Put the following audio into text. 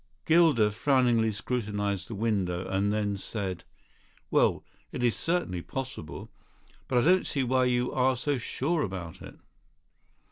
Gilder frowningly scrutinised the window, and then said: "Well, it is certainly possible. But I don't see why you are so sure about it."